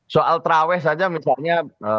soal terawih saja misalnya